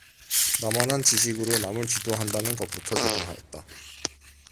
나만한 지식으로 남을 지도 한다는 것부터 대담하였다.